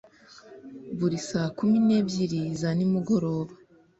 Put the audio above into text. buri saa kumi n’ebyiri za nimugoroba